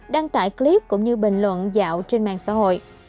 đăng tải clip cũng như bình luận dạo trên mạng xã hội